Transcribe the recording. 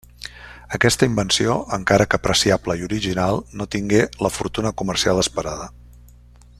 Aquesta invenció, encara que apreciable i original, no tingué la fortuna comercial esperada.